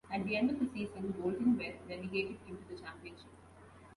At the end of the season, Bolton were relegated into the Championship.